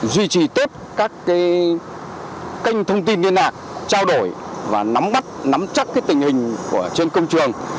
duy trì tốt các kênh thông tin liên lạc trao đổi và nắm chắc tình hình trên công trường